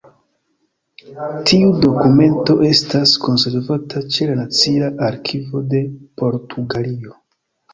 Tiu dokumento estas konservata ĉe la Nacia Arkivo de Portugalio.